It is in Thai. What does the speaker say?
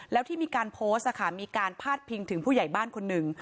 แล้วที่มีการโพสต์มีการพาดพิงถึงผู้ใหญ่บ้านคนหนึ่ง